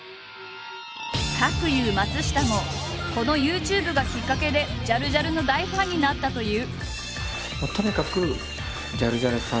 かくいう松下もこのＹｏｕＴｕｂｅがきっかけでジャルジャルの大ファンになったという。